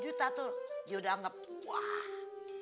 lima juta tuh dia udah anggap wah